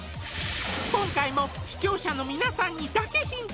今回も視聴者の皆さんにだけヒント